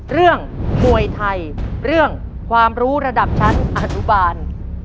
เรื่องมวยไทยเรื่องความรู้ระดับชั้นอนุบาล